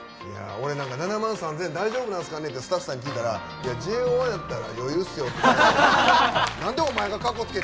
俺なんか７万３０００大丈夫なんすかねってスタッフさんに聞いたらＪＯ１やったら余裕っすよって。